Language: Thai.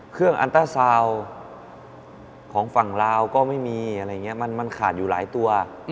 เครื่องอันตราซาวน์ของฝั่งลาวก็ไม่มีมันขาดอยู่หลายตัว